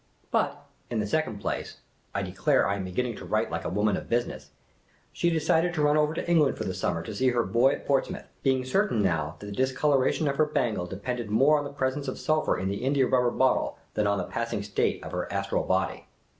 But, in the second place — I declare I am beginning to write like a woman of business — she decided to run ov^r to England for the summer to see her boy at Ports mouth, being certain now that the discoloration of her bangle depended more on the presence of sulphur in the india rubber bottle than on the passing state of her astral body.